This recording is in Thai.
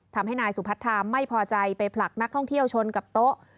ทำให้นายสุพัทธาไม่พอใจไปผลักนักท่องเที่ยวชนกับโต๊ะ